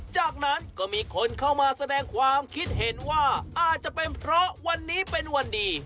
จากนั้นก็มีคนเข้ามาแสดงความคิดเห็นว่าอาจจะเป็นเพราะวันนี้เป็นวันดี